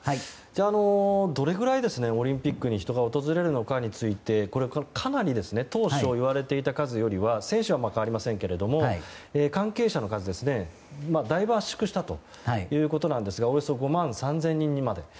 どれくらいオリンピックに人が訪れるのかについてかなり当初いわれていた数よりは選手は変わりませんけど関係者の数はだいぶ圧縮したということなんですがおよそ５万３０００人にまで。